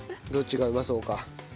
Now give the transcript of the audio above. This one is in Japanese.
どっちがうまそうか。